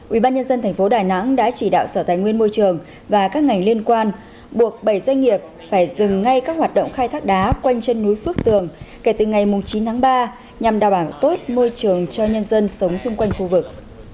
ubnd tp đà nẵng đã chỉ đạo sở tài nguyên môi trường và các ngành liên quan buộc bảy doanh nghiệp phải dừng ngay các hoạt động khai thác đá quanh trên núi phước tường kể từ ngày chín tháng ba nhằm đảm bảo tốt môi trường cho nhân dân sống xung quanh khu vực